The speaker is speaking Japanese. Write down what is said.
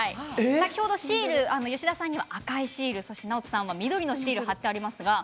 先ほど吉田さんには赤いシールＮＡＯＴＯさんは緑のシールが貼ってあります。